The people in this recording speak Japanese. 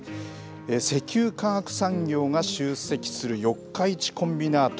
石油化学産業が集積する四日市コンビナート。